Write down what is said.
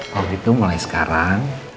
kalo gitu mulai sekarang